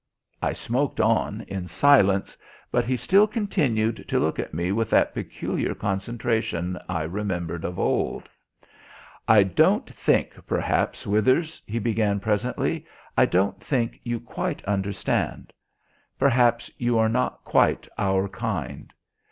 I smoked on in silence; but he still continued to look at me with that peculiar concentration I remembered of old. "I don't think, perhaps, Withers," he began presently, "I don't think you quite understand. Perhaps you are not quite our kind.